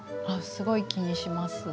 すごい気にします。